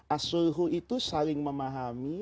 asulhu itu saling memahami